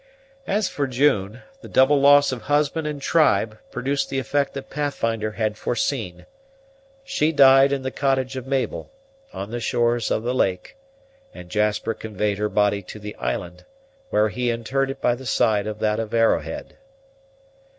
As for June, the double loss of husband and tribe produced the effect that Pathfinder had foreseen. She died in the cottage of Mabel, on the shores of the lake; and Jasper conveyed her body to the island, where he interred it by the side of that of Arrowhead.